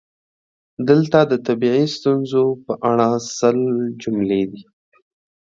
دلته د طبیعي ستونزو په اړه سل جملې دي: